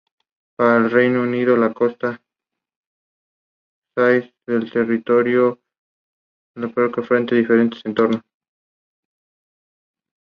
Para el Reino Unido la costa Caird integra el Territorio Antártico Británico.